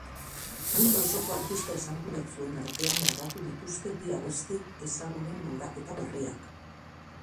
Mundu osoko artista esanguratsuenen artean grabatu dituzte bi abesti ezagunen moldaketa berriak.